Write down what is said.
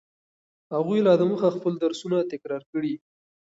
هغوی لا دمخه خپل درسونه تکرار کړي.